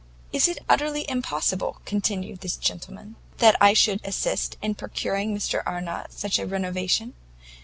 "Is it utterly impossible," continued this gentleman, "that I should assist in procuring Mr Arnott such a renovation?